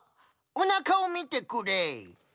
おなかをみてくれ！